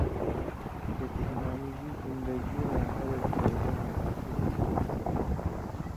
چےۡ ٹکنالوجی زندگیاں ہر اک شعبہ متاثر کیریۡ تھی